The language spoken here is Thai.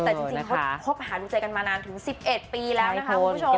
แต่จริงเขาคบหาดูใจกันมานานถึง๑๑ปีแล้วนะคะคุณผู้ชม